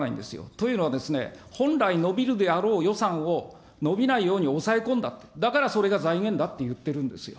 というのはですね、本来伸びるであろう予算を伸びないように抑え込んだ、だからそれが財源だって言ってるんですよ。